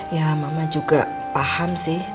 ya mama juga paham sih